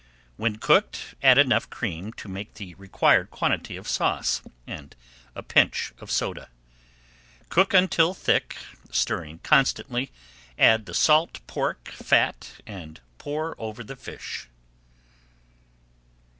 When cooked, add enough cream to make the required quantity of sauce, and a pinch of soda. Cook until thick, stirring constantly, add the salt pork fat and pour over the fish.